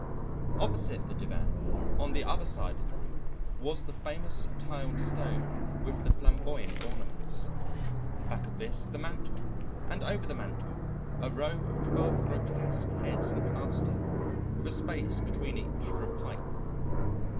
Opposite the divan, on the other side of the room, was the famous tiled stove with the flamboyant ornaments; back of this the mantel, and over the mantel a row of twelve grotesque heads in plaster, with a space between each for a pipe.